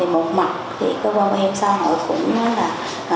một mặt thì cơ quan bảo hiểm xã hội cũng là